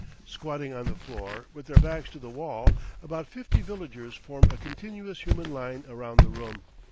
Squatting on the floor, with their backs to the wall, about fifty villagers form a continuous human line around the room.